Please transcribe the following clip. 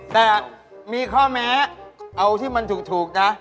แต่มีข้อแม้เอาที่มันถูกนะ